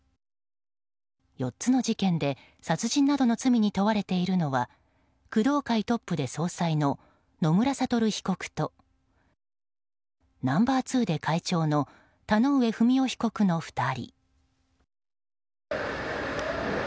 ４つの事件で殺人などの罪に問われているのは工藤会トップで総裁の野村悟被告とナンバー２で会長の田上不美夫被告の２人。